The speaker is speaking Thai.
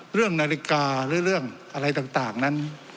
เรื่องนาฬิกาหรือเรื่องอะไรต่างนั้น